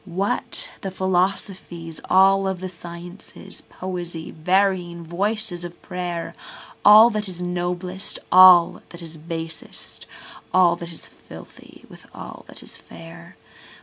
What the philosophies, all the sciences, poesy, varying voices of prayer? All that is noblest, all that is basest, all that is filthy with all that is fair?